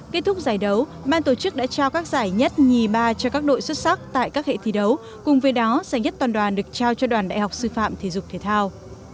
kết thúc giải đấu ban tổ chức đã trao các giải nhất nhì ba cho các đội xuất sắc tại các hệ thi đấu cùng với đó giải nhất toàn đoàn được trao cho đoàn đại học sư phạm thể dục thể thao